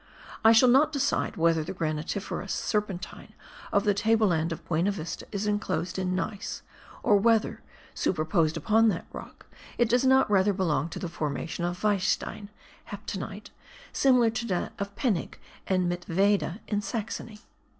I shall not decide whether the granitiferous serpentine of the table land of Buenavista is inclosed in gneiss, or whether, superposed upon that rock, it does not rather belong to a formation of weisstein (heptinite) similar to that of Penig and Mittweyde in Saxony.